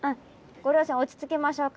ご両親落ち着きましょうか。